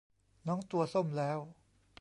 น้องตัวส้มแล้ว